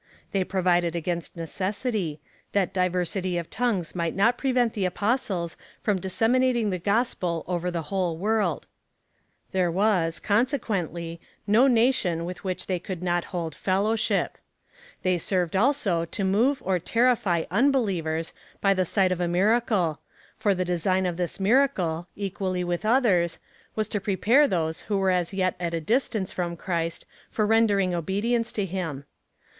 They provided against necessity — that diversity of tongues might not prevent the Apostles from disseminat ing the gospel over the Avhole world : there was, conse quently, no nation with which they could not hold fellowship. They served also to move or terrify unbelievers by the sight of a miracle — for the design of this miracle, equally with others, was to prepare those who were as yet at a distance from Christ for rendering obedience to him.